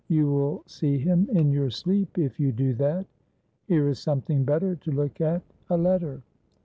You will see him in your sleep if you do that. Here is something better to look at a letter.